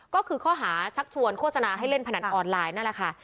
ก็คือข้อหาชักชวนโฆษณาให้เล่นพนันออนไลน์นั่นแหละค่ะ